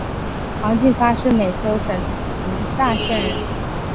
黄晋发是美湫省平大县人。